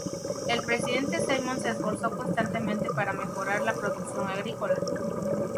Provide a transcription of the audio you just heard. El presidente Simon se esforzó constantemente para mejorar la producción agrícola.